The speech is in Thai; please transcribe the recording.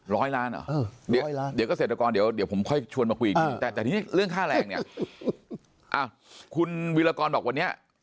ร้อยล้านเหรอทีนี้เรื่องค่าแรงเนี่ยคุณวิวกรบอกว่าเนี่ย